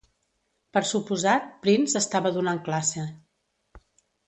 Per suposat, Prince estava donant classe.